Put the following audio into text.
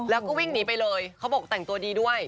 แล้วก็วิ่งหนีไปเลยเขาบอกแต่งตัวดีด้วย